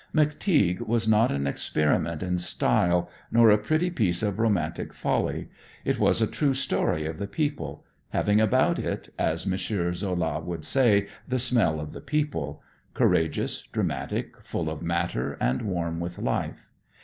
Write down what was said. "McTeague" was not an experiment in style nor a pretty piece of romantic folly, it was a true story of the people having about it, as M. Zola would say, "the smell of the people" courageous, dramatic, full of matter and warm with life.